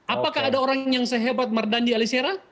apakah ada orang yang sehebat mardhani alisera